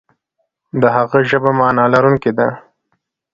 د هغه ژبه معنا لرونکې ده.